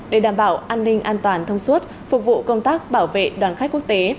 để đảm bảo an ninh an toàn thông suốt phục vụ công tác bảo vệ đoàn khách quốc tế